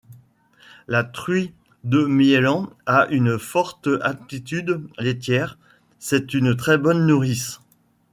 La truie de Miélan a une forte aptitude laitière, c’est une très bonne nourrice.